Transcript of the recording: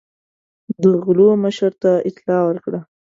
د غلو مشر ته اطلاع ورکړه.